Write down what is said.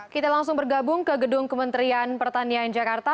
kita langsung bergabung ke gedung kementerian pertanian jakarta